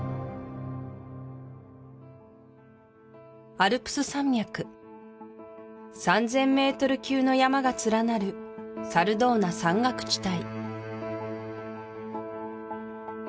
アルプス山脈３０００ｍ級の山が連なるサルドーナ山岳地帯